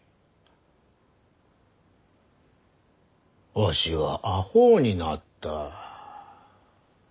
わしはあほうになった。